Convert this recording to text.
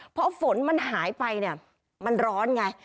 พอฝนมันหายไปเนี่ยมันร้อนไง